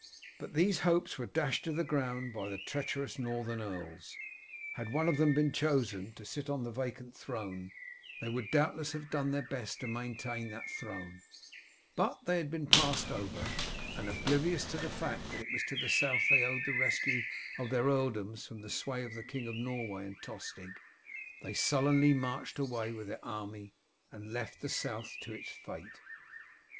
But these hopes were dashed to the ground by the treacherous Northern earls. Had one of them been chosen to sit on the vacant throne they would doubtless have done their best to maintain that throne, but they had been passed over, and oblivious of the fact that it was to the South they owed the rescue of their earldoms from the sway of the King of Norway and Tostig, they sullenly marched away with their army and left the South to its fate.